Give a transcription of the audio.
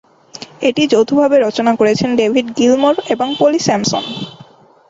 এটি যৌথভাবে রচনা করেছেন ডেভিড গিলমোর এবং পলি স্যামসন।